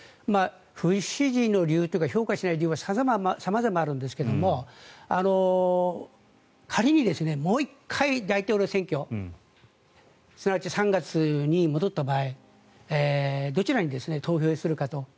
不支持の理由、評価しない理由は様々あるんですが仮にもう１回、大統領選挙すなわち３月に戻った場合どちらに投票するかと。